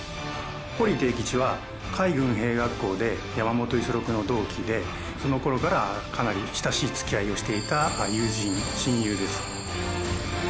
堀悌吉は海軍兵学校で山本五十六の同期でそのころからかなり親しいつきあいをしていた友人親友です。